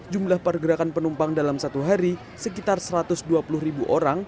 jumlah pergerakan penumpang dalam satu hari sekitar satu ratus dua puluh ribu orang